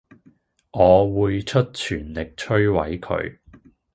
我會出全力摧毀佢